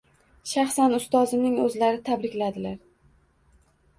Shaxsan ustozimizni o'zlari tabrikladilar.